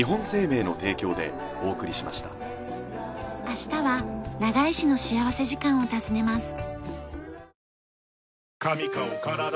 明日は長井市の幸福時間を訪ねます。